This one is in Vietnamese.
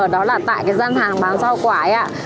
đó là tại cái gian hàng bán rau quải